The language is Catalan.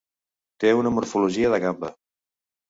Té una morfologia de gamba.